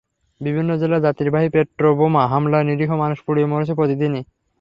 বিভিন্ন জেলায় যাত্রীবাহী বাসে পেট্রলবোমা হামলায় নিরীহ মানুষ পুড়ে মরছে প্রতিদিনই।